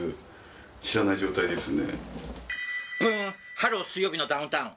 ハロー「水曜日のダウンタウン」